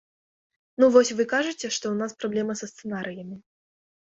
Ну вось вы кажаце, што ў нас праблема са сцэнарыямі.